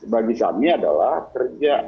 bagi kami adalah kerja